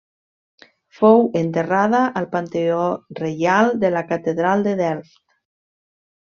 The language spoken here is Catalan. Fou enterrada al Panteó Reial de la Catedral de Delft.